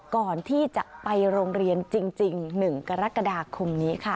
ก่อนที่จะไปโรงเรียนจริง๑กรกฎาคมนี้ค่ะ